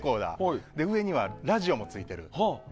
上にはラジオもついてる。